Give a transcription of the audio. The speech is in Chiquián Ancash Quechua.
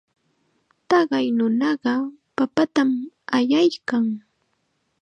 Taqay nunaqa papatam allaykan.